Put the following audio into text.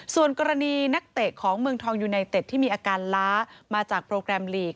ส่วนกรณีนักเตะของเมืองทองยูไนเต็ดที่มีอาการล้ามาจากโปรแกรมลีก